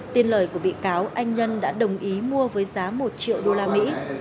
tin lời của bị cáo anh nhân đã đồng ý mua với giá một triệu đô la mỹ